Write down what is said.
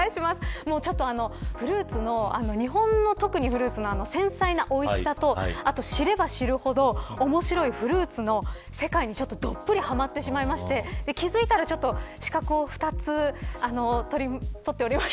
フルーツの、日本のフルーツの繊細なおいしさと知れば知るほど面白いフルーツの世界に、ちょっとどっぷりハマってしまいまして気付いたら資格を２つ取っておりました。